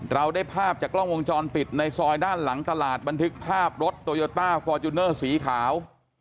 เราได้ภาพจากกล้องวงจรปิดในซอยด้านหลังตลาดบันทึกภาพรถโตโยต้าฟอร์จูเนอร์สีขาว